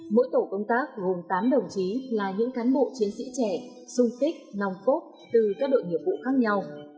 mỗi tổ công tác gồm tám đồng chí là những cán bộ chiến sĩ trẻ sung kích nòng cốt từ các đội nhiệm vụ khác nhau